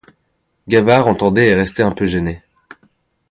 Gavard entendait et restait un peu gêné.